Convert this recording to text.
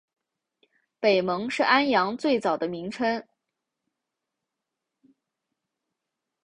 北蒙是安阳最早的名称。